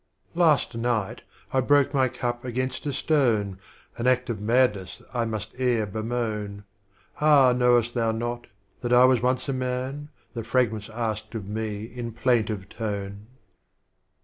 I ast Night I broke my Cup against a stone, An Act of Madness I must ere bemoan ;— Ah, knowest thou not, that I was once a Man? The Fragments asked of me in plaintive tone.